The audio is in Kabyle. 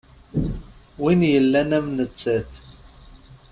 Win yellan am nettat.